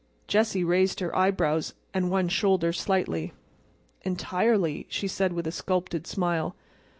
Jessie raised her eyebrows and one shoulder slightly. "Entirely," she said with a sculptured smile.